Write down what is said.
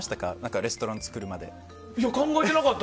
レストラン作るのって。